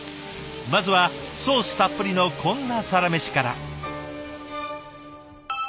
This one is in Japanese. まずはソースたっぷりのこんなサラメシから。